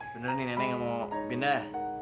bener nih nenek gak mau pindah